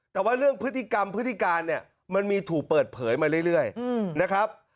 แต่ว่าเรื่องพฤติกรรมพฤติการเนี่ยมันมีถูกเปิดเผยมาเรื่อยนะครับ